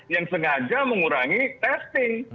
yang sengaja mengurangi testing